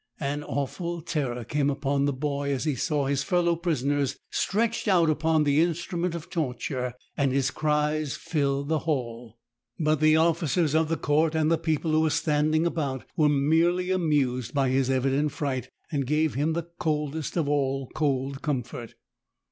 An awful terror came upon the boy as he saw his fellow prisoners stretched out upon this instrument of torture, and his cries filled the hall. But the officers of the court and the people who were standing about were merely amused by his evident fright, and gave him the coldest of all cold comfort.